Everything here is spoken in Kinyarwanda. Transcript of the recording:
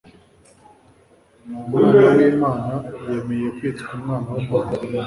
Umwana wlmana yemeye kwitw Umwana wUmuntu